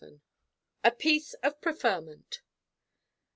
A PIECE OF PREFERMENT.